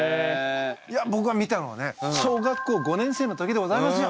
いやぼくが見たのはね小学校５年生の時でございますよ。